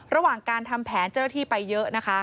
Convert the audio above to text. ระหว่างการทำแผนเจ้าหน้าที่ไปเยอะนะคะ